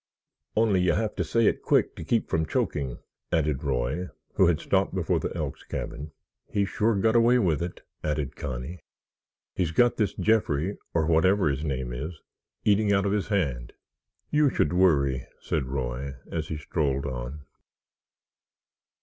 "Only you have to say it quick to keep from choking!" added Roy, who had stopped before the Elks cabin. "He sure got away with it," added Connie. "He's got this Jeffrey, or whatever his name is, eating out of his hand." "You should worry," said Roy, as he strolled on.